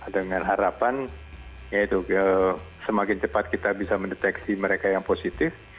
dengan harapan yaitu semakin cepat kita bisa mendeteksi mereka yang positif